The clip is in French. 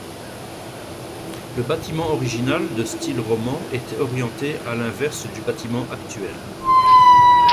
Le bâtiment original, de style roman, était orienté à l'inverse du bâtiment actuel.